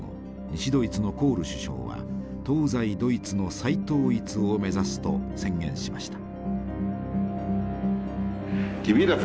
西ドイツのコール首相は東西ドイツの再統一を目指すと宣言しました。